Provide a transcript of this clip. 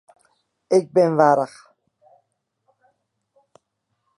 Ik bin warch.